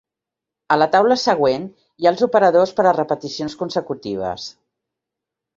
A la taula següent hi ha els operadors per a repeticions consecutives.